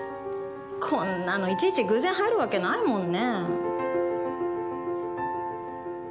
こんなの、いちいち偶然入るわけないもんね。